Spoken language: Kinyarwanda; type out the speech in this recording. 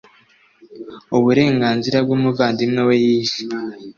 Uburenganzira bw umuvandimwe we yishe